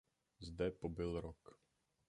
Zde pobyl rok.